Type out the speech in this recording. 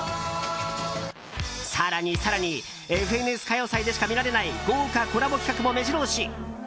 更に更に「ＦＮＳ歌謡祭」でしか見られない豪華コラボ企画も目白押し！